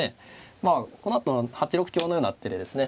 まあこのあと８六香のような手でですね